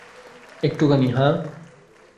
একটুখানি, হ্যাঁ।